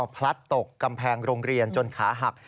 พลัดตกกำแพงโรงเรียนจนขาหัก